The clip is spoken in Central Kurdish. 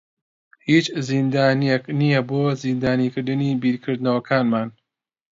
هیچ زیندانێک نییە بۆ زیندانیکردنی بیرکردنەوەکانمان.